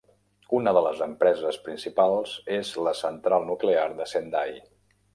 Una de les empreses principals és la central nuclear de Sendai.